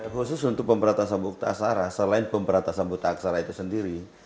khusus untuk pemberantasan bukti aksara selain pemberantasan bukti aksara itu sendiri